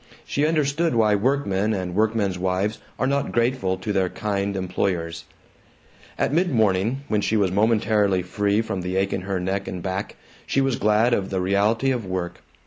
She understood why workmen and workmen's wives are not grateful to their kind employers. At mid morning, when she was momentarily free from the ache in her neck and back, she was glad of the reality of work.